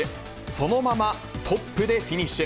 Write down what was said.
そのままトップでフィニッシュ。